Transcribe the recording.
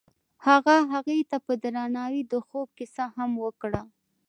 هغه هغې ته په درناوي د خوب کیسه هم وکړه.